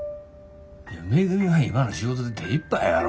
いやめぐみは今の仕事で手いっぱいやろ。